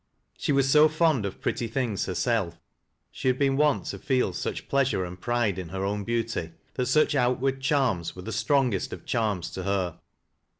She was so fond of pretlj things herself, she had been wont to feel such pleasure and pride in her own beauty, that such outward charnig yjere the strongest of charms to her.